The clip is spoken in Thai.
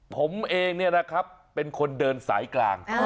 ผมเองเนี่ยนะครับเป็นคนเดินสายกลาง